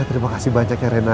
terima kasih banyak ya rena